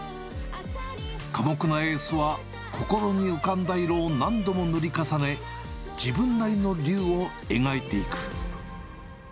寡黙なエースは、心に浮かんだ色を何度も塗り重ね、自分なりの龍を描いていく。